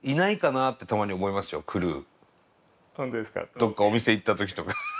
どっかお店行った時とか。